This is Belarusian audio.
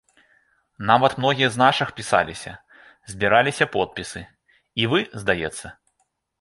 Нават многія з нашых пісаліся, збіраліся подпісы, і вы, здаецца?